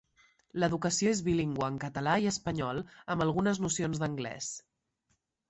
L'educació és bilingüe en català i espanyol, amb algunes nocions d'anglès.